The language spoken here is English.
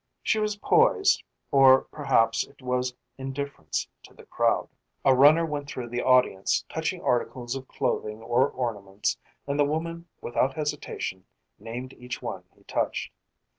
She was poised, or perhaps it was indifference to the crowd. A runner went through the audience touching articles of clothing or ornaments, and the woman without hesitation named each one he touched.